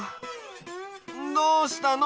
どうしたの？